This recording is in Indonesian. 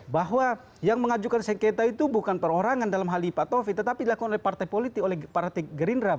bahwa yang mengajukan sengketa itu bukan perorangan dalam hal ini pak taufik tetapi dilakukan oleh partai politik oleh partai gerindra